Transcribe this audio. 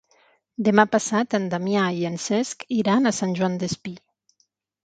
Demà passat en Damià i en Cesc iran a Sant Joan Despí.